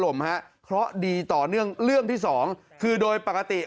ฮะเพราะดีต่อเนื่องเรื่องที่สองคือโดยปกติ